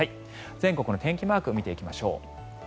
全国の天気マークを見ていきましょう。